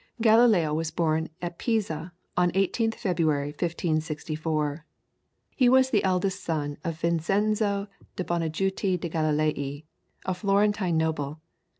Galileo was born at Pisa, on 18th February, 1564. He was the eldest son of Vincenzo de' Bonajuti de' Galilei, a Florentine noble.